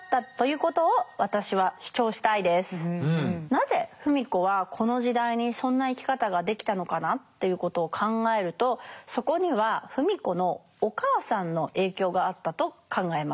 なぜ芙美子はこの時代にそんな生き方ができたのかなということを考えるとそこには芙美子のお母さんの影響があったと考えます。